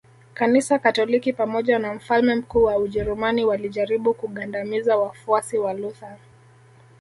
Kanisa Katoliki pamoja na mfalme mkuu wa Ujerumani walijaribu kugandamiza wafuasi wa Luther